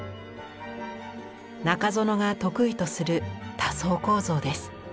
中園が得意とする多層構造です。